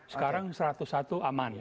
sekarang satu ratus satu aman ya